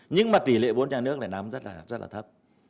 nhưng mà tỷ lệ vốn nhà nước lại nắm rất là thấp